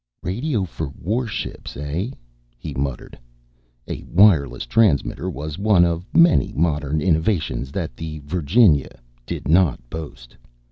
"Radio for warships, eh?" he muttered. A wireless transmitter was one of many modern innovations that the Virginia did not boast.